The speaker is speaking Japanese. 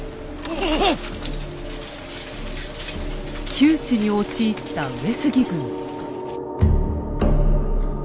窮地に陥った上杉軍。